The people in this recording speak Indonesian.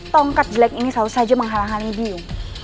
tongkat jelek ini selalu saja menghalang hali biyung